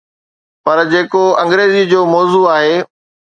پر جيڪو انگريزيءَ جو موضوع آهي.